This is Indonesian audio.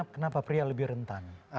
kenapa pria lebih rentan